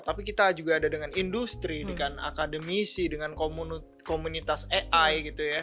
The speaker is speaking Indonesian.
tapi kita juga ada dengan industri dengan akademisi dengan komunitas ai gitu ya